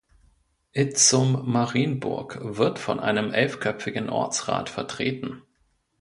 Itzum-Marienburg wird von einem elfköpfigen Ortsrat vertreten.